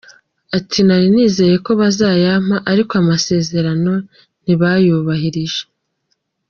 Ati “Nari nizeye ko bazayampa ariko amasezero ntibayubahirije.